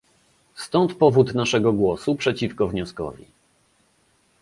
Stąd powód naszego głosu przeciwko wnioskowi!